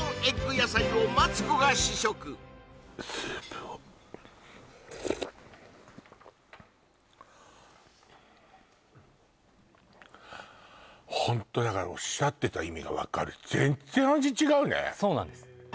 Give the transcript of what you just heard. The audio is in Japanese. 野菜をマツコが試食スープをホントだからおっしゃってた意味が分かるそうなんです